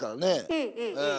うんうんうん。